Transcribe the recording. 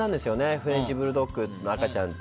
フレンチブルドックの赤ちゃんは。